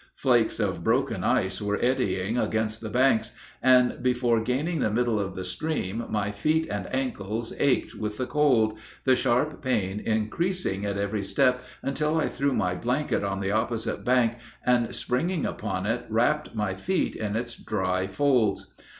Flakes of broken ice were eddying against the banks, and before gaining the middle of the stream my feet and ankles ached with the cold, the sharp pain increasing at every step until I threw my blanket on the opposite bank and springing upon it wrapped my feet in its dry folds.